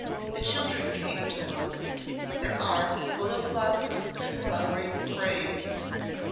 Then the children came to look, their arms full of blossoms and flowering sprays.